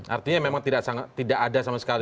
artinya memang tidak ada sama sekali